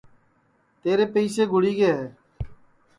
تیرے پئیسے گُڑی گے ہے